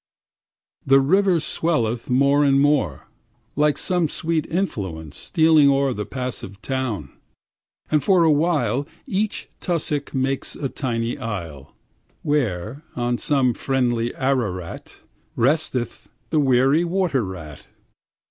The river swelleth more and more, Like some sweet influence stealing o'er The passive town; and for a while Each tussuck makes a tiny isle, Where, on some friendly Ararat, Resteth the weary water rat.